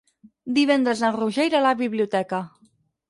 Divendres en Roger irà a la biblioteca.